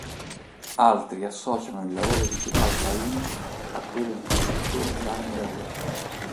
Altri associano il lavoro di Tubal-cain a quello di costruttore di armi da guerra.